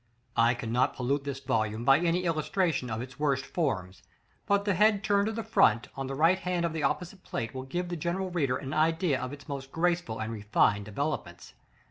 I cannot pollute this volume by any illustration of its worst forms, but the head turned to the front, on the right hand in the opposite Plate, will give the general reader an idea of its most graceful and refined developments.